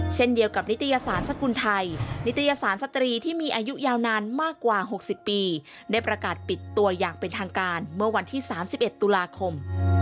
เช่นเดียวกับนิตยสารสกุลไทยนิตยสารสตรีที่มีอายุยาวนานมากกว่า๖๐ปีได้ประกาศปิดตัวอย่างเป็นทางการเมื่อวันที่๓๑ตุลาคม